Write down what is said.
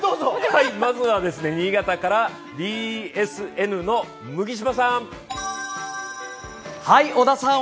まずは新潟からＢＳＮの麦島さん。